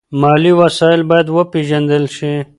مالي وسایل باید وپیژندل شي.